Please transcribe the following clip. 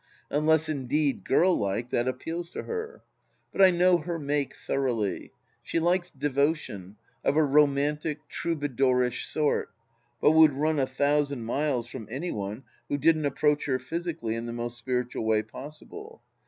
Unless indeed, girl like, that appeals to her. But I know her make thoroughly. She likes devotion, of a romantic, troubadourish, sort, but would run a thousand miles from any one who didn't approach her physically in the most spiritual way possible.